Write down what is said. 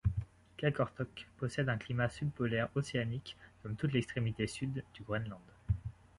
Qaqortoq possède un climat subpolaire océanique comme toute l'extrémité sud du Groenland.